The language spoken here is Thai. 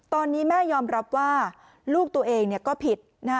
ตอนนี้แม่ยอมรับว่าลูกตัวเองก็ผิด